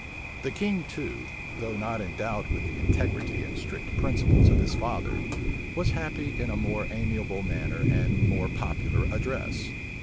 The king too, though not endowed with the integrity and strict principles of his father, was happy in a more amiable manner and more popular address.